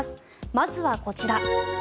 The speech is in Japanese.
まずはこちら。